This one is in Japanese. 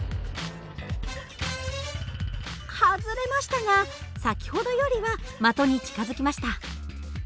外れましたが先ほどよりは的に近づきました。